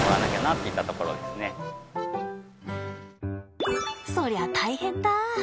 そりゃ大変だ。